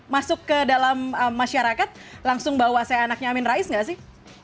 masuk ke dalam masyarakat langsung bawa saya anaknya amin rais gak sih